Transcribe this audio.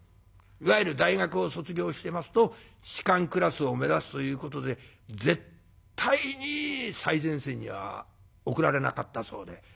いわゆる大学を卒業してますと士官クラスを目指すということで絶対に最前線には送られなかったそうで。